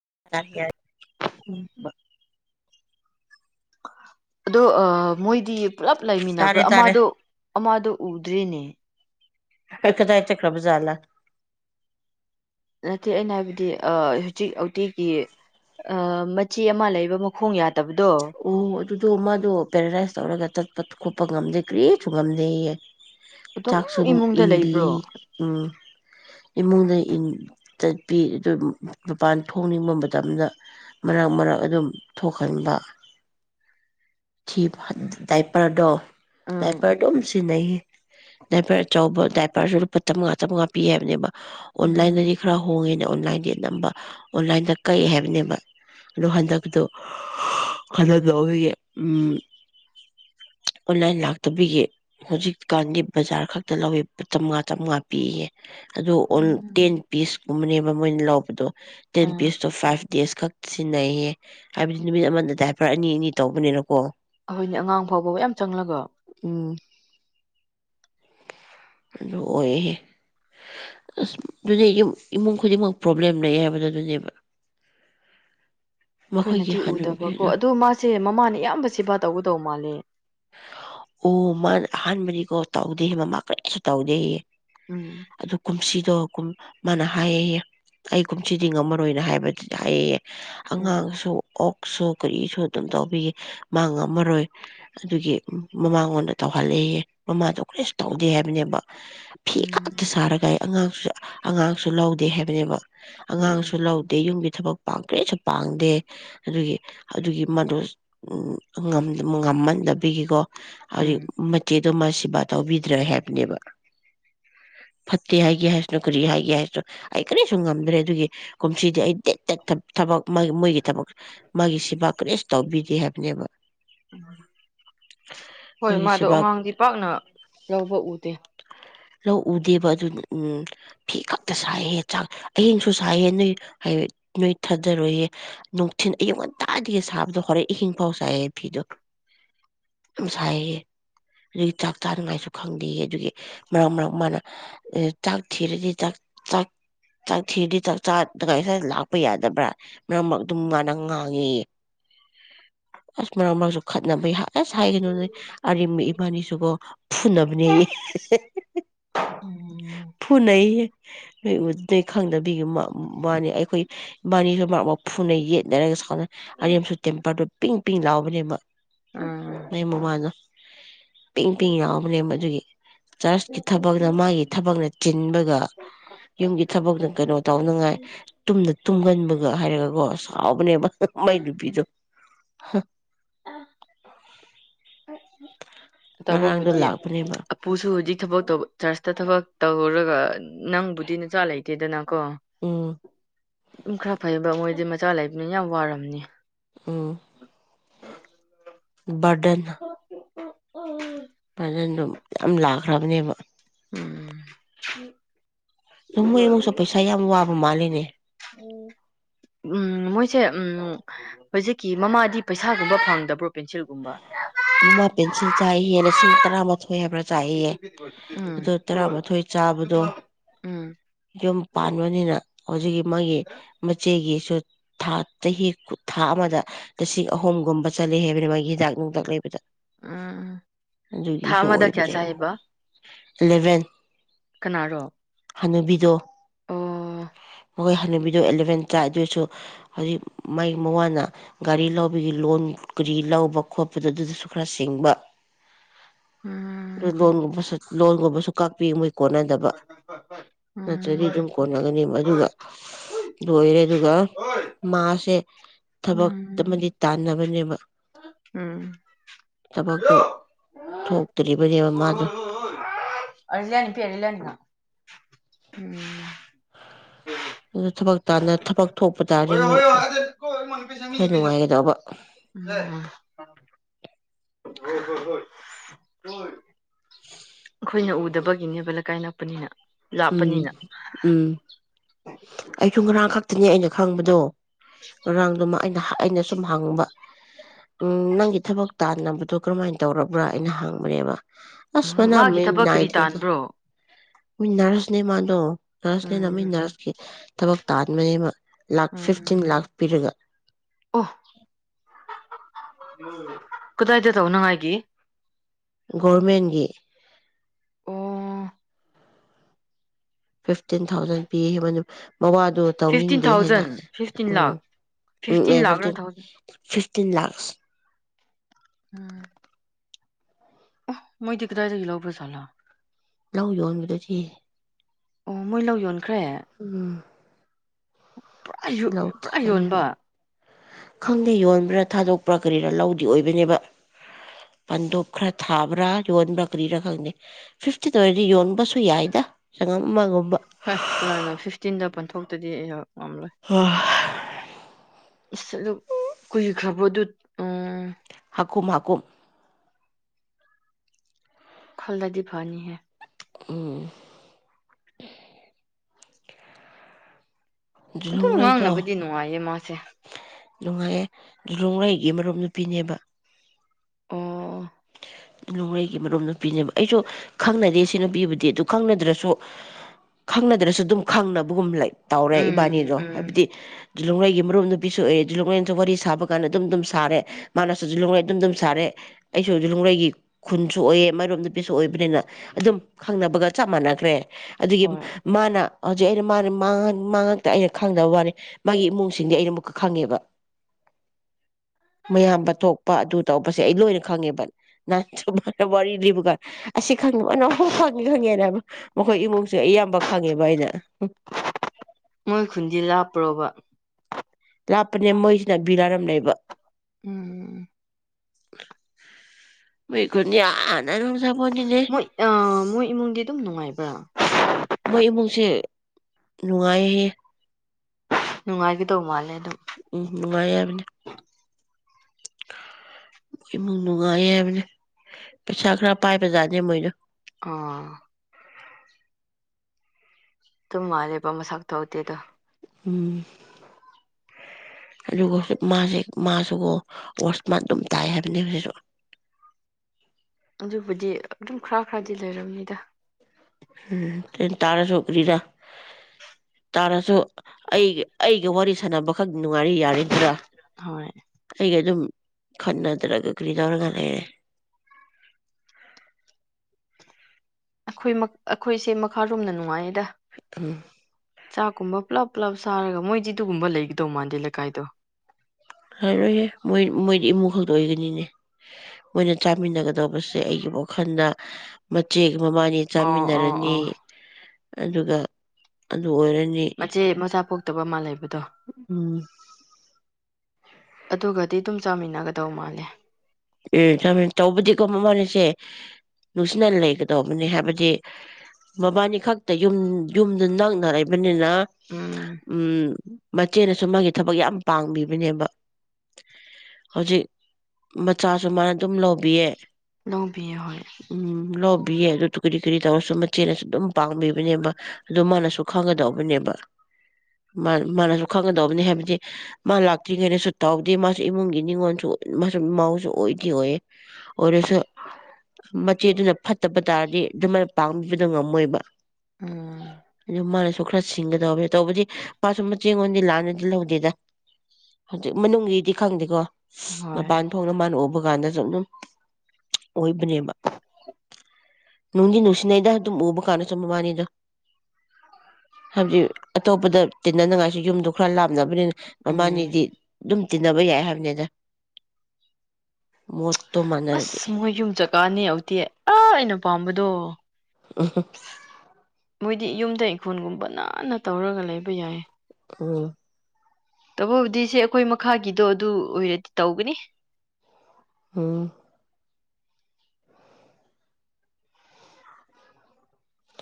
[unintelligible] ꯑꯗꯣ ꯃꯣꯏꯗꯤ ꯄꯨꯂꯞ ꯂꯩꯃꯤꯟꯅꯕ꯭ꯔꯥ ꯇꯥꯔꯦ ꯑꯃꯗꯨ ꯑꯃꯗꯨ ꯎꯗ꯭ꯔꯤꯅꯦ ꯀꯗꯥꯏ ꯀꯥꯗꯥꯏ ꯆꯠꯈꯔ꯭ꯕꯥꯖꯠꯂꯥ ꯅꯠꯇꯦ ꯑꯩꯅ ꯍꯥꯏꯕꯗꯤ ꯍꯧꯖꯤꯛ ꯍꯧꯎꯇꯤꯀꯤ ꯃꯆꯤ ꯑꯃ ꯂꯩꯕ ꯃꯈꯣꯡ ꯌꯥꯗꯦ ꯑꯣ ꯑꯗꯨꯗꯨ ꯃꯥꯗꯨ ꯄꯦꯔꯥꯔꯥꯏꯁ ꯇꯧꯔꯒ ꯄꯠ ꯈꯣꯠꯄ ꯉꯝꯗꯦ ꯀꯔꯤꯁꯨ ꯉꯝꯗꯦꯌꯦ ꯑꯗꯨꯝ ꯆꯥꯛꯁꯨꯨꯝ ꯏꯃꯨꯡꯗ ꯏꯟꯕꯤ ꯂꯩꯕ꯭ꯔꯣ ꯎꯝ ꯏꯃꯨꯡꯗ ꯆꯠꯄꯤ ꯑꯗꯨ ꯃꯄꯥꯟ ꯊꯣꯡꯅꯤꯡꯕ ꯃꯇꯝꯗ ꯃꯔꯛ ꯃꯔꯛ ꯑꯗꯨꯝ ꯊꯣꯛꯍꯟꯕ ꯊꯕ ꯇꯗꯥꯏꯄꯔꯗꯣ ꯇꯏ ꯎꯝ ꯄꯔꯗꯝ ꯁꯤꯅ ꯗꯥꯏꯄꯔ ꯑꯆꯧꯕ ꯗꯥꯏꯄꯔꯁꯨ ꯂꯨꯄꯥ ꯆꯃꯉꯥ ꯆꯃꯉꯥ ꯄꯤ ꯍꯥꯏꯕꯅꯦꯕ ꯎꯝ ꯑꯣꯟꯂꯥꯏꯟꯗꯗꯤ ꯈꯔ ꯍꯣꯡꯉꯦꯅꯦ ꯑꯣꯟꯂꯥꯏꯟꯗꯤ ꯑꯅꯝꯕ ꯑꯣꯟꯂꯥꯏꯟꯗ ꯀꯛꯑ ꯍꯥꯏꯕꯅꯦꯕ ꯑꯗ ꯍꯟꯗꯛꯇꯗꯣ ꯍ ꯑꯩꯈꯣꯏꯒꯤ ꯎꯝ ꯑꯣꯟꯂꯥꯏꯟ ꯂꯥꯛꯇꯕꯤꯒꯤ ꯍꯧꯖꯤꯛꯀꯥꯟꯗꯤ ꯕꯖꯥꯔ ꯈꯛꯇ ꯂꯧꯋꯤ ꯆꯝꯃꯉꯥ ꯆꯝꯃꯉꯥ ꯄꯤꯌꯦ ꯑꯗꯨ ꯑꯣꯟ ꯇꯦꯟ ꯎꯝ ꯄꯤꯁꯀꯨꯝꯕꯅꯦ ꯃꯣꯏꯅ ꯂꯥꯎꯧꯕꯗꯣ ꯇꯦꯟ ꯄꯤꯁꯇꯣ ꯐꯥꯏꯚ ꯗꯦꯁ ꯈꯛ ꯁꯤꯖꯤꯟꯅꯩꯌꯦ ꯍꯥꯏꯕꯗꯤ ꯅꯨꯃꯤꯠ ꯑꯃꯗ ꯥꯏꯚꯔ ꯑꯅꯤ ꯑꯅꯤ ꯇꯧ ꯕꯥꯅꯤꯅꯥꯀꯣ ꯑꯩꯈꯣꯏꯅꯦ ꯑꯉꯥꯡ ꯐꯥꯎꯕꯕ ꯌꯥꯝ ꯆꯪꯂꯒ ꯎꯝ ꯑꯗꯨ ꯑꯣꯏꯍꯦ ꯑꯁ ꯑꯗꯨꯅꯦ ꯏꯃꯨꯡ ꯈꯨꯗꯤꯡꯃꯛ ꯄ꯭ꯔꯣꯕ꯭ꯂꯦꯝ ꯂꯩ ꯍꯥꯏꯕꯗꯣ ꯑꯗꯨꯅꯦꯕ ꯃꯈꯣꯏꯒꯤ ꯑꯩꯈꯣꯏꯅꯗꯤ ꯎꯗꯕꯀꯣ ꯍꯅꯨꯕꯤꯗꯣ ꯑꯗꯣ ꯃꯥꯁꯦ ꯃꯃꯥ ꯑꯌꯥꯝꯕ ꯁꯦꯕꯥ ꯇꯧꯒꯗꯧ ꯃꯥꯜꯂꯦ ꯑꯣ ꯃꯥ ꯑꯍꯥꯟꯕꯗꯤꯀꯣ ꯇꯧꯗꯦ ꯃꯃꯥ ꯀꯔꯤꯁꯨ ꯇꯧꯗꯦ ꯎꯝ ꯑꯗꯨ ꯀꯨꯝꯁꯤ ꯑꯗꯣ ꯀꯨꯝ ꯃꯥꯅ ꯍꯥꯏꯌꯦꯍ ꯑꯩ ꯀꯨꯝꯁꯤꯗꯤ ꯉꯝꯃꯔꯣꯏꯅ ꯍꯥꯏꯕꯗꯨ ꯍꯥꯏꯑꯌꯦꯦ ꯎꯝ ꯑꯉꯥꯡꯁꯨ ꯑꯣꯛꯁꯨꯣ ꯀꯨꯔꯤꯁꯨ ꯑꯗꯨꯝ ꯇꯧꯕꯤꯒꯦ ꯃꯥ ꯉꯝꯃꯔꯣꯏ ꯑꯗꯨꯒꯤ ꯃꯃꯥꯡꯉꯣꯟꯗ ꯇꯧꯍꯜꯂꯛꯏꯍꯦ ꯃꯃꯥꯗꯣ ꯀꯔꯤꯁꯨ ꯇꯧꯗꯦ ꯍꯥꯏꯕꯅꯦꯕ ꯐꯤ ꯈꯛꯇ ꯎꯝ ꯁꯥꯔꯒ ꯑꯩ ꯑꯉꯥꯡꯁꯨ ꯑꯉꯥꯡꯁꯨ ꯂꯧꯗꯦ ꯍꯥꯏꯕꯅꯦꯕ ꯑꯉꯥꯡꯁꯨ ꯎꯝ ꯂꯧꯗꯦ ꯌꯨꯝꯒꯤ ꯊꯕꯛ ꯄꯥꯡ ꯀ꯭ꯔꯦꯁꯨ ꯄꯥꯡꯗꯦ ꯑꯗꯨꯒꯤ ꯑꯗꯨꯒꯤ ꯃꯗꯨꯣ ꯎ ꯉꯝꯃꯟ ꯂꯕꯤꯈꯤꯀꯣ ꯍꯧꯔꯤ ꯎꯝ ꯃꯆ ꯑꯗꯨꯗꯣ ꯃꯥ ꯁꯦꯕꯥ ꯇꯧꯕꯤꯗ꯭ꯔꯦ ꯍꯥꯏꯕꯅꯦꯕ ꯐꯠꯇꯦ ꯍꯥꯏꯒꯦ ꯍꯥꯏꯁꯅꯣ ꯀꯔꯤ ꯍꯥꯏꯒꯦ ꯍꯥꯏꯁꯅꯣ ꯑꯩ ꯀꯔꯤꯁꯨ ꯉꯝꯗ꯭ꯔꯦ ꯑꯗꯨꯒꯤ ꯀꯨꯝꯁꯤꯗꯤ ꯑꯩ ꯇꯦꯠ ꯇꯦꯦꯛ ꯊꯕꯛ ꯃꯣꯏꯒꯤ ꯊꯕꯛ ꯃꯥꯒꯤ ꯁꯦꯕꯥ ꯀꯔꯤꯁꯨ ꯇꯧꯕꯤꯗꯦ ꯍꯥꯏꯕꯅꯦꯕ ꯍꯣꯏ ꯃꯣꯏꯒꯤ ꯃꯥꯗꯣ ꯁꯦꯕꯥ ꯑꯉꯥꯡꯗꯤ ꯄꯥꯛꯅ ꯂꯧꯕ ꯎꯗꯦ ꯂꯧ ꯎꯗꯦꯕ ꯑꯗꯨ ꯎꯝ ꯐꯤ ꯈꯛꯇ ꯁꯥꯏꯍꯦ ꯆꯥꯛ ꯑꯍꯤꯡꯁꯨ ꯁꯥꯏꯑꯦ ꯅꯣꯏ ꯍꯥꯏ ꯅꯣꯏ ꯊꯥꯗꯔꯣꯏꯍꯦ ꯅꯨꯡꯊꯤꯟ ꯑꯌꯨꯛ ꯉꯟꯇꯥꯒ ꯁꯥꯕꯗꯣ ꯍꯣꯔꯦꯟ ꯑꯍꯤꯡ ꯐꯥꯎ ꯁꯥꯏꯑꯦ ꯐꯤꯗꯣ ꯑꯗꯨꯝ ꯁꯥꯏꯍꯦ ꯑꯗꯨꯒꯤ ꯆꯥꯛ ꯆꯥꯅꯉꯥꯏꯁꯨ ꯈꯪꯗꯦꯌꯦ ꯑꯗꯨꯒꯤ ꯃꯔꯛ ꯃꯔꯛ ꯃꯥꯅ ꯆꯥꯛ ꯊꯤꯔꯗꯤ ꯆꯥꯛ ꯊꯤꯔꯗꯤ ꯆꯥꯛ ꯆ ꯥꯏ ꯁꯥꯏꯗ ꯂꯥꯛꯄ ꯌꯥꯗꯕ꯭ꯔꯥ ꯃꯔꯛ ꯃꯔꯛ ꯑꯗꯨꯝ ꯃꯥꯅ ꯉꯥꯡꯉꯤ ꯑꯁ ꯃꯔꯛ ꯃꯔꯛꯁꯨ ꯈꯠꯅꯕ ꯑꯁ ꯍꯥꯏꯒꯅꯣꯅꯦ ꯑꯔꯤꯝ ꯏꯕꯥꯅꯤꯁꯨꯒꯣ ꯐꯨꯅꯕꯅꯦ ꯍꯥꯏꯌꯦ ꯎꯝ ꯐꯨꯅꯩ ꯅꯣꯏ ꯎ ꯅꯣꯏ ꯈꯪꯗꯕꯤꯒꯤ ꯏꯕꯥꯅꯤ ꯑꯩꯈꯣꯏ ꯏꯕꯥꯅꯤꯁꯨ ꯃꯔ ꯐꯨꯅꯩ ꯌꯦꯠꯅꯔꯒ ꯁꯅ ꯑꯔ ꯌꯥꯝꯁꯨ ꯇꯦꯝꯄꯔ ꯄꯤꯡ ꯄꯤꯡ ꯂꯥꯎꯕꯅꯦꯕ ꯎꯝ ꯃꯣꯏ ꯃꯃꯥꯅ ꯄꯤꯡ ꯄꯤꯡ ꯌꯥꯎꯕꯅꯦ ꯃꯗꯨꯒꯤ ꯆꯔꯁ ꯊꯕꯛꯅ ꯃꯥꯒꯤ ꯊꯕꯛꯅ ꯆꯤꯟ ꯑꯗꯨꯒꯥꯕ ꯌꯨꯝꯒꯤ ꯊꯕꯛ ꯀꯩꯅꯣ ꯇꯧꯅꯉꯥꯏ ꯇꯨꯝꯅ ꯇꯨꯝꯒꯟꯕꯒ ꯍꯥꯏꯔꯒꯀꯣ ꯁꯥꯎꯕꯅꯦꯕ ꯃꯩ ꯅꯨꯄꯤꯗꯣ ꯉꯔꯥꯡꯗꯣ ꯑꯇꯞꯧꯕꯕꯨꯗꯤ ꯂꯥꯛꯄꯅꯦꯕ ꯑꯄꯨꯁꯨ ꯍꯧꯖꯤꯛ ꯊꯕꯛ ꯇꯧꯕ ꯆꯔꯁꯇ ꯊꯕꯛ ꯇꯧꯍꯧꯔꯒ ꯅꯪꯕꯨꯗꯤ ꯅꯆꯥ ꯂꯩꯇꯦꯗꯅ ꯀꯣ ꯎꯝ ꯑꯗꯨꯝ ꯈꯔ ꯐꯩꯕ ꯃꯣꯏꯗꯤ ꯃꯆꯥ ꯂꯩꯕꯅꯤ ꯌꯥꯝ ꯋꯥꯔꯝꯅꯤ ꯎꯝ ꯔꯟ ꯑꯣ ꯑꯣ ꯑꯣ ꯐꯖꯅ ꯑꯗꯨ ꯌꯥꯝ ꯂꯥꯛꯈ꯭ꯔꯕꯅꯦꯕ ꯎꯝ ꯃꯣꯏ ꯑꯃꯨꯛꯁꯨ ꯄꯩꯁꯥ ꯌꯥꯝ ꯋꯥꯕ ꯃꯥꯜꯂꯤꯅꯦ ꯎꯝ ꯃꯣꯏꯁꯦ ꯎꯝ ꯍꯧꯖꯤꯛꯀꯤ ꯃꯃꯥꯗꯤ ꯄꯩꯁꯥꯒꯨꯝꯕ ꯐꯪꯗꯕ꯭ꯔꯣ ꯄꯦꯟꯁꯤꯜꯒꯨꯝꯕ ꯃꯃꯥ ꯄꯦꯟꯁꯤꯜꯁ ꯂꯤꯁꯤꯡ ꯇꯔꯥꯃ ꯑꯩꯈꯣꯏ ꯍꯥꯏꯕ꯭ꯔꯥ ꯆꯥꯛꯏꯌꯦ ꯎꯝ ꯑꯗꯨꯗ ꯇꯔꯥꯃꯥꯊꯣꯏ ꯆꯥꯕꯗꯣ ꯌꯨꯝ ꯎꯝ ꯄꯥꯟꯕꯅꯤꯅ ꯍꯧꯖꯤꯛꯀꯤ ꯃꯥꯒꯤ ꯃꯆꯦꯒꯤ ꯑꯩ ꯊꯥ ꯆꯍꯤ ꯊꯥ ꯑꯃꯗ ꯂꯤ ꯑꯍꯨꯝꯒꯨꯝꯕ ꯆꯠꯂ ꯍꯥꯏꯕꯅꯤ ꯃꯥꯒꯤ ꯍꯤꯗꯥꯛ ꯅꯨꯡꯗꯛ ꯂꯩꯕꯗ ꯎꯝ ꯊꯥ ꯑꯗꯨꯒꯤꯁꯨ ꯑꯃꯗ ꯀꯌꯥ ꯑꯣꯏꯕꯅꯦ ꯆꯥꯏꯌꯦꯕ ꯑꯦꯂꯦꯚꯦꯟ ꯀꯅꯥꯔꯣ ꯍꯅꯨꯕꯤꯗꯣ ꯑꯣ ꯑꯩꯈꯣꯏ ꯍꯥꯟꯅꯨꯕꯤꯗꯣ ꯑꯦꯂꯚꯦꯟ ꯇꯥꯏ ꯑꯗꯨꯏꯁꯨ ꯍꯧꯖꯤꯛ ꯃꯥꯏ ꯃꯉꯅ ꯒꯥꯔꯤ ꯂꯧꯕꯒꯤ ꯂꯣꯟ ꯀꯔꯤ ꯂꯧꯕ ꯈꯣꯠꯄꯗꯣ ꯑꯗꯨꯗꯁꯨ ꯈꯔ ꯦꯡꯕ ꯎꯝ ꯗꯒ ꯂꯣꯟꯒꯨꯝꯕꯁꯨ ꯀꯛꯄꯤ ꯀꯣꯟꯅꯗꯕ ꯎꯝ ꯅꯠꯇ꯭ꯔꯗꯤ ꯑꯗꯨꯝ ꯀꯣꯟꯅꯒꯅꯦꯕ ꯑꯗꯨꯒ ꯂꯣꯏꯔꯦ ꯑꯗꯨꯒ ꯃꯥꯁꯦ ꯊꯕꯛ ꯎꯝ ꯑꯃꯗꯤ ꯇꯥꯟꯅꯕꯅꯦꯕ ꯎꯝ ꯊꯕꯛꯇꯣ ꯊꯣꯛꯇ꯭ꯔꯤꯕꯅꯦꯕ ꯃꯥꯗꯣ ꯃꯅꯤꯄꯨꯔꯤꯗ ꯋꯥ ꯉꯥꯡꯗꯔꯦ ꯎꯝ ꯗꯨ ꯊꯕꯛ ꯇꯥꯟꯅ ꯊꯕꯛ ꯊꯣꯛꯄ ꯇꯥꯔꯗꯤ ꯃꯣꯏ ꯈꯔ ꯅꯨꯡꯉꯥꯏꯒꯗꯧꯕ ꯑꯟꯏꯟꯇꯦꯜꯂꯤꯖꯦꯕꯜ ꯍꯣꯏ ꯍꯣꯏ ꯍꯣꯏ ꯑꯩꯈꯣꯏꯅ ꯎꯗꯕꯒꯤꯅꯦꯕ ꯂꯩꯀꯥꯏ ꯅꯛꯄꯅꯤꯅ ꯎꯝ ꯂꯥꯞꯄꯅꯤꯅ ꯎꯝ ꯑꯩꯁꯨ ꯉꯔꯥꯡ ꯈꯛꯇꯅꯤ ꯑꯩꯅ ꯈꯪꯕꯗꯣ ꯉꯔꯥꯡꯗꯣ ꯃꯥ ꯑꯩꯅ ꯍꯥ ꯑꯩꯅ ꯁꯨꯝ ꯍꯪꯕ ꯎꯝ ꯅꯪꯒꯤ ꯊꯕꯛ ꯇꯥꯟꯅꯕꯗꯣ ꯀꯔꯝꯃꯥꯏꯅ ꯇꯧꯔꯕ꯭ꯔꯥ ꯑꯩꯅ ꯍꯪꯕꯅꯦꯕ ꯑ ꯑꯩ ꯁ ꯎꯝ ꯃꯥꯒꯤ ꯃꯅꯥꯃꯤꯜ ꯊꯕꯛ ꯀꯔꯤ ꯅꯥꯏꯗꯔꯗꯤ ꯇꯥꯟꯕ꯭ꯔꯣ ꯃꯤ ꯅꯔꯁꯅꯦ ꯃꯥꯗꯣ ꯅꯔꯁ ꯅꯤꯅ ꯃꯤ ꯎꯝ ꯅꯔꯆꯀꯤ ꯊꯕꯛ ꯇꯥꯟꯕꯅꯦꯕ ꯂꯥꯛ ꯎꯝ ꯐꯤꯐꯇꯤꯟ ꯂꯥꯛꯈ ꯄꯤꯔꯒ ꯑꯣ ꯀꯗꯥꯏꯗ ꯇꯧꯅꯉꯥꯏꯒꯤ ꯒꯣꯔꯃꯦꯟꯒꯤ ꯑꯣ ꯐꯤꯐꯇꯤꯟ ꯊꯥꯎꯖꯟ ꯄꯤꯕꯅ ꯃꯋꯥꯗꯨꯣ ꯐꯤꯐꯇꯤꯟ ꯇꯧꯅꯤꯡꯗꯦ ꯍꯥꯏꯅ ꯊꯥꯎꯖꯟ ꯐꯤꯐꯇꯤꯟ ꯎꯝ ꯂꯥꯈ ꯎꯝ ꯅꯦ ꯂꯥꯈꯔ ꯐꯤꯐꯇꯤꯟ ꯊꯥꯎꯖꯟ ꯐꯤꯐ ꯇꯤꯟ ꯂꯥꯛꯁ ꯎꯝ ꯑꯣ ꯃꯣꯏ ꯗꯤ ꯀꯗꯥꯏꯗꯒꯤ ꯂꯧꯕꯖꯥꯠꯂꯥ ꯂꯧ ꯌꯣꯟꯕꯗꯒꯤ ꯑꯣ ꯃꯣꯏ ꯂꯧ ꯌꯣꯟ ꯎꯝ ꯄꯨꯔꯥ ꯂꯧ ꯄꯨꯔꯥ ꯌꯣꯟꯕ ꯈꯪꯗꯦ ꯌꯣꯟꯕ꯭ꯔꯥ ꯊꯥꯗꯣꯛ ꯄ꯭ꯔꯥ ꯀꯔꯤꯔꯥ ꯂꯧꯗꯤ ꯑꯣꯏꯕꯅꯦꯕ ꯄꯥꯟꯗꯣꯞ ꯈꯔ ꯊꯥꯕ꯭ꯔꯥ ꯌꯣꯟꯕ꯭ꯔꯥ ꯀꯔꯤꯔꯥ ꯈꯪꯗ ꯐꯤꯐꯇꯤꯗ ꯑꯣꯏꯔꯗꯤ ꯌꯣꯟꯕꯁꯨ ꯌꯥꯏꯗ ꯆꯪꯉꯝ ꯑꯃꯒꯨ ꯍꯩꯏ ꯀꯅꯥꯅ ꯐꯤꯐꯇꯤꯟꯗ ꯕꯟ ꯊꯣꯛꯇꯗꯤ ꯑꯩꯍꯥꯛ ꯍ ꯏꯁ ꯑꯗꯨ ꯀꯨꯏꯈ꯭ꯔꯕꯗꯨ ꯎꯝ ꯍꯥꯀꯨ ꯝ ꯍꯥꯀꯨꯝ ꯈꯜꯂꯗꯤ ꯐꯅꯤ ꯍꯦ ꯎꯝ ꯑꯗꯨꯝ ꯖꯨꯂꯨꯡꯔꯩꯗꯣ ꯉꯥꯡꯅꯕꯗꯤ ꯅꯨꯡꯉꯥꯏꯌꯦ ꯃꯥꯁꯦ ꯅꯨꯡꯉꯥꯏꯌꯦ ꯖꯨꯂꯨꯡꯉꯩꯒꯤ ꯃꯔꯨꯞ ꯅꯨꯄꯤꯅꯦꯕ ꯑꯥ ꯅꯣꯡꯂꯩꯒꯤ ꯃꯔꯨꯞ ꯅꯨꯄꯤꯅꯦꯕ ꯑꯩꯁꯨ ꯈꯪꯅꯗꯦ ꯁꯤꯅ ꯄꯤꯕꯨꯗꯤ ꯑꯗꯨ ꯈꯪꯅꯗ꯭ꯔꯁꯨ ꯈꯪꯅꯗ꯭ꯔꯁꯨ ꯑꯗꯨꯝ ꯈꯪꯅꯕꯒꯨꯝ ꯂꯩ ꯇꯧꯔꯦ ꯎꯝ ꯏꯕꯥꯅꯤꯗꯣ ꯎꯝ ꯍꯥꯏꯕꯗꯤ ꯂꯣꯡꯂꯩꯒꯤ ꯃꯔꯨꯞ ꯅꯨꯄꯤꯁꯨ ꯑꯣꯏꯑꯦ ꯂꯣꯡꯂꯩꯦꯟꯗꯁꯨ ꯋꯥꯔꯤ ꯁꯥꯕ ꯀꯥꯟꯗ ꯑꯗꯨꯝ ꯑꯗꯨꯝ ꯁꯥꯔꯦ ꯃꯥꯅꯁꯨ ꯂꯣꯡꯂꯩ ꯑꯗꯨꯝ ꯑꯗꯨꯝ ꯁꯥꯔꯦ ꯑꯩꯁꯨ ꯂꯡꯂꯩ ꯑꯩꯒꯤ ꯈꯨꯟꯁꯨ ꯑꯣꯏꯑ ꯃꯔꯣ ꯅꯨꯄꯤꯁꯨ ꯑꯣꯏꯕꯅꯤꯅ ꯑꯗꯨꯝ ꯈꯪꯅꯕꯒ ꯆꯞ ꯃꯥꯟꯅꯈ꯭ꯔꯦ ꯑꯗꯨꯒꯤ ꯍꯣꯏ ꯃꯥꯅ ꯍꯧꯖꯤꯛ ꯑꯩꯅ ꯃꯥꯅ ꯃꯥꯡꯉꯛꯇ ꯑꯩꯅ ꯈꯪꯗꯕ ꯋꯥꯅꯤꯦ ꯃꯥꯒꯤ ꯏꯃꯨꯡꯁꯤꯡꯗꯤ ꯑꯩꯅ ꯑꯃꯨꯛꯀ ꯈꯪꯉꯦꯕ ꯃꯌꯥꯝꯕ ꯊꯣꯛꯄ ꯑꯗꯨ ꯇꯧꯕꯁꯦ ꯑꯩ ꯂꯣꯏꯅ ꯈꯪꯉꯦꯕ ꯅꯍ ꯁꯅ ꯋꯥꯔꯤ ꯂꯤꯕ ꯀꯥꯏ ꯑꯁꯤ ꯈꯪꯉꯤꯕ ꯑꯅ ꯍꯣꯏ ꯈꯪꯉꯦ ꯈꯪꯉꯦꯅ ꯃꯈꯣꯏ ꯏꯃꯨꯡꯁꯦ ꯑꯌꯥꯝꯕ ꯈꯪꯉꯦꯕ ꯑꯩꯅ ꯃꯣꯏ ꯈꯨꯟꯗꯤ ꯂꯥꯞꯄ꯭ꯔꯣꯕ ꯂꯥꯞꯄꯅꯦ ꯃꯣꯏꯁꯤꯅ ꯕꯤꯔꯥꯔꯝ ꯂꯩꯕ ꯎꯝ ꯃꯩꯒꯟꯅꯤ ꯑꯅ ꯃꯣꯏ ꯃꯣꯏ ꯏꯃꯨꯡꯗꯤ ꯑꯗꯨꯝ ꯅꯨꯡꯉꯥꯏꯕ꯭ꯔꯥ ꯅꯨꯡꯉꯥꯏꯍꯦ ꯅꯨꯡꯉꯥꯏꯒꯗꯧꯕ ꯃꯥꯜꯂꯦ ꯑꯗꯨꯝ ꯎꯝ ꯃꯅꯨꯡꯉꯕꯅꯦ ꯏꯃꯨꯡ ꯅꯨꯡꯉꯥꯏ ꯍꯥꯏꯕꯅꯦ ꯄꯩꯁꯥ ꯈꯔ ꯄꯥꯏꯕꯖꯥꯠꯅꯦ ꯃꯣꯏꯗꯣ ꯑ [inaudible] ꯇꯨꯝ ꯃꯥꯂꯦꯕ ꯑꯃ ꯁꯥꯛꯛꯇ ꯍꯧꯇꯗ ꯎꯝ ꯑꯗꯨꯒ ꯃꯥꯁꯦ ꯃꯥꯁꯨꯒꯣ ꯋꯥꯁꯃꯥꯟ ꯑꯗꯨꯝ ꯇꯥꯏ ꯍꯥꯏꯕꯅꯦ ꯍꯧꯖꯤꯁꯨ ꯑꯗꯨꯕꯨꯗꯤ ꯑꯗꯨꯝ ꯈꯔ ꯈꯔꯗꯤ ꯂꯩꯔꯕꯝꯅꯤꯗ ꯎꯝ ꯇꯥꯔꯁꯨ ꯀꯔꯤꯔ ꯇꯥꯔꯁꯨ ꯑꯩꯒ ꯑꯩꯒ ꯋꯥꯔꯤ ꯁꯥꯟꯅꯕꯈꯛ ꯅꯨꯡꯉꯥꯏꯔꯤ ꯌꯥꯔꯗ꯭ꯔꯥ ꯍꯣꯏ ꯑꯩꯒ ꯑꯗꯨ ꯈꯟꯅ ꯇꯔ ꯀ ꯀꯔꯤꯗꯥꯔꯒ ꯑꯩꯈꯣꯏ ꯑꯩꯈꯣꯏꯁꯦ ꯃꯈꯥꯔꯣꯝꯅ ꯅꯨꯡꯉꯥꯏꯌꯦꯗ ꯑꯝ ꯆꯥꯛꯀꯨꯝꯕ ꯄꯨꯜꯂꯞ ꯄꯨꯜꯂꯞ ꯁꯥꯔꯒ ꯃꯣꯏ ꯖꯤꯗꯨꯒꯨꯝꯕ ꯂꯩꯒꯗꯧ ꯃꯥꯟꯗꯦ ꯂꯩꯀꯥꯏꯗꯣ ꯂꯔꯣꯏꯍꯦꯣꯏ ꯃꯣꯏꯗꯤ ꯏꯃꯨꯡ ꯈꯛꯇ ꯑꯣꯏꯒꯅꯤꯅꯦ ꯃꯣꯏꯅ ꯆꯥꯃꯤꯟꯅꯒꯗꯧꯕꯁꯦ ꯑꯩꯒꯤ ꯋꯥꯈꯜꯗ ꯃꯆꯦ ꯃꯃꯥꯅꯤ ꯑꯣ ꯑꯣ ꯆꯥꯃꯤꯟꯅꯔꯅꯤ ꯑꯣ ꯑꯗꯨꯒ ꯑꯗꯨ ꯑꯣꯏꯔꯅꯤ ꯃꯆꯦ ꯃꯆꯥ ꯄꯣꯛꯇꯕ ꯃꯥꯜ ꯂꯩꯕꯗꯣ ꯎꯝ ꯑꯗꯨꯒꯗꯤ ꯑꯗꯨꯝ ꯆꯥꯃꯤꯟꯅꯒꯗꯧ ꯃꯥꯜꯂꯦ ꯎꯝ ꯊꯝꯃꯦ ꯇꯧꯕꯗꯤꯀꯣ ꯃꯃꯥꯅꯤꯁꯦ ꯅꯨꯡꯁꯤꯅ ꯂꯩꯒꯗꯧꯕꯅꯤ ꯍꯥꯏꯕꯗꯤ ꯃꯕꯥꯅꯤ ꯈꯛꯇ ꯌꯨꯝ ꯌꯨꯝꯗ ꯅꯛꯅꯔꯛꯕꯅꯤ ꯅꯤꯅ ꯎꯝ ꯎꯝ ꯃꯆꯦꯅꯁꯨ ꯃꯥꯒꯤ ꯊꯕꯛ ꯌꯥꯝ ꯄꯥꯡꯕꯤꯕꯅꯦꯕ ꯍꯧꯖꯤꯛ ꯃꯆꯥꯁꯨ ꯃꯥꯅ ꯑꯗꯨꯝ ꯂꯧꯕꯤꯌꯦ ꯂꯣꯡꯕꯤꯑ ꯍ ꯄꯤꯌꯦ ꯑꯗꯨ ꯀꯔꯤ ꯀꯔꯤ ꯇꯧꯔꯁꯨ ꯃꯆꯦꯅꯁꯨ ꯑꯗꯨꯝ ꯄꯥꯡꯕꯤꯕꯅꯦꯕ ꯑꯗꯨ ꯃꯥꯅꯁꯨ ꯈꯪꯒꯗꯧꯕꯅꯦꯕ ꯃꯥꯅꯁꯨ ꯈꯪꯒꯗꯧꯕꯅꯦ ꯍꯥꯏꯕꯗꯤ ꯃꯥ ꯂꯥꯛꯇ꯭ꯔꯤꯉꯩꯩꯅꯁꯨ ꯇꯥꯎꯗꯦ ꯃꯥꯁꯨ ꯏꯃꯨꯡꯒꯤ ꯅꯤꯉꯣꯜꯁꯨ ꯁꯨꯝ ꯃꯍꯥꯎꯁꯨ ꯑꯣꯏꯗꯤ ꯑꯣꯏꯌꯦ ꯑꯣꯏꯔꯁꯨ ꯃꯆꯦꯗꯨꯅ ꯐꯠꯇꯕ ꯇꯥꯔꯗꯤ ꯑꯗꯨꯃꯥꯏꯅ ꯄꯥꯡꯕꯤꯕꯗꯣ ꯉꯝꯃꯣꯏꯕ ꯎꯝ ꯃꯥꯔꯁ ꯈꯔ ꯁꯤꯡꯒꯗꯧꯋ ꯇꯧꯕꯗꯤ ꯃꯥꯁꯨ ꯃꯆꯦꯡꯉꯣꯟꯗꯤ ꯂꯥꯟꯅꯗꯤ ꯂꯧꯗꯦꯗ ꯍꯧꯖꯤꯛ ꯃꯅꯨꯡꯒꯤꯗꯤ ꯈꯪꯗꯦꯀꯣ ꯍꯣꯏ ꯃꯄꯥꯟ ꯊꯣꯛꯣꯡꯅ ꯃꯥꯟꯅ ꯎꯕꯒ ꯀꯥꯟꯗꯁꯨ ꯑꯗꯨꯝ ꯑꯣꯏꯕꯅꯦꯕ ꯅꯨꯡꯒꯤ ꯅꯨꯡꯁꯤꯅꯩꯗ ꯑꯗꯨꯝ ꯎꯕ ꯀꯥꯟꯗꯁꯨ ꯃꯕꯥꯅꯤꯗꯣ ꯍꯥꯏꯕꯗꯤ ꯑꯇꯣꯞꯄꯗ ꯇꯤꯟꯅꯅꯤꯡꯉꯥꯏꯁꯨ ꯌꯨꯝꯗꯣ ꯈꯔ ꯂꯥꯞꯅꯕꯅꯤꯅ ꯃ ꯎꯝ ꯃꯥꯅꯤꯗꯤ ꯑꯗꯨꯝ ꯇꯤꯟꯅꯕ ꯌꯥꯏ ꯍꯥꯏꯕꯅꯤꯗ ꯃꯣꯠꯇꯣ ꯃꯥꯟꯅꯔꯗꯤ ꯑꯁ ꯃꯣꯏ ꯌꯨꯝ ꯆꯀꯥꯟꯅꯤ ꯍꯧꯎꯗꯦ ꯑ ꯑꯩꯅ ꯄꯝꯕꯗꯣ ꯃꯣꯏꯗꯤ ꯌꯨꯝ ꯗ ꯏꯪꯈꯨꯜꯒꯨꯝꯕ ꯅꯥꯟꯅ ꯇꯧꯔꯒ ꯂꯩꯕ ꯌꯥꯏ ꯎꯝ ꯇꯧꯕꯕꯨꯗꯤ ꯁꯦ ꯑꯩꯈꯣꯏ ꯃꯈꯥꯒꯤꯗꯣ ꯑꯗꯨ ꯑꯣꯏꯔꯗꯤ ꯇꯧꯒꯅꯤ ꯎꯝ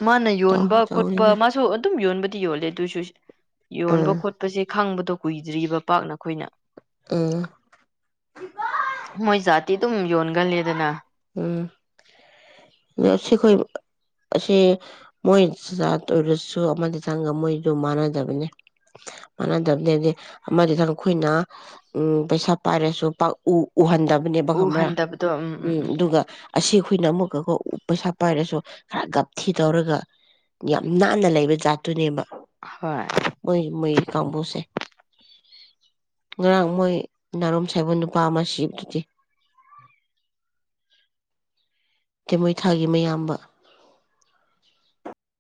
ꯃꯥꯅ ꯌꯣꯟꯕ ꯇꯧ ꯈꯣꯠꯄ ꯇꯧꯅꯤꯗ ꯃꯥꯁꯨ ꯑꯗꯨꯝ ꯌꯣꯟꯕ ꯣꯂꯦ ꯑꯗꯨꯨꯁꯨ ꯌꯣꯟꯕ ꯎꯝ ꯈꯣꯠꯄꯁꯦ ꯈꯪꯕꯗ ꯑ ꯀꯨꯏꯗ꯭ꯔꯤꯕ ꯄꯥꯛꯅ ꯑꯩꯈꯣꯏꯅ ꯎꯝ ꯃꯣꯏ ꯆ ꯇ ꯌꯣꯟ ꯒꯜꯂꯤꯗꯅ ꯎꯝ ꯑꯣ ꯑꯁꯤꯈꯣꯏ ꯑꯁꯤ ꯃꯣꯏꯖ ꯑꯣꯏꯔꯁꯨ ꯑꯃꯗꯤꯇꯪꯒ ꯃꯣꯏꯗꯨ ꯃꯥꯟꯅꯗꯕꯅꯤ ꯃꯥꯟꯅꯗꯕꯅꯦ ꯍꯥꯏꯗꯤ ꯑꯃꯗꯤꯇꯪ ꯑꯩꯈꯣꯏꯅ ꯎ ꯄꯩꯁꯥ ꯄꯥꯏꯔꯁꯨ ꯎꯍꯟꯗꯕ ꯈꯪꯕ꯭ꯔꯥ ꯎꯝ ꯑꯗꯨꯒ ꯑꯁꯤ ꯐꯨꯅ ꯃꯨꯒꯛ ꯀꯧꯕ ꯎꯞ ꯄꯩꯁꯥꯞ ꯄꯥꯏꯔꯁꯨ ꯈꯔ ꯒꯞꯊꯤ ꯇꯧꯔꯒ ꯌꯥꯝ ꯅꯥꯟꯅ ꯂꯩꯕ ꯖꯥꯠꯇꯨꯅꯦꯕ ꯍꯣꯏ ꯃꯣꯏ ꯃꯣꯏ ꯀꯕꯨꯁꯦ ꯉꯔꯥꯡ ꯃꯣꯏ ꯅꯥꯔꯣꯝ ꯁꯥꯏꯕꯣꯟ ꯅꯨꯄꯥ ꯑꯃ ꯁꯤꯞꯗꯨꯗꯤ ꯇꯩꯃꯣꯏꯊꯥꯒꯤ ꯃꯌꯥꯝꯕ